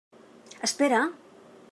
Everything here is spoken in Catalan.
Espera!